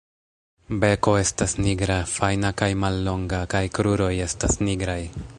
Beko estas nigra, fajna kaj mallonga kaj kruroj estas nigraj.